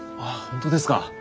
本当ですか。